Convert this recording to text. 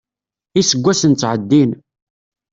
Iseggasen ttɛeddin.